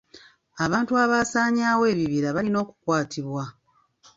Abantu abasaanyaawo ebibira balina okukwatibwa.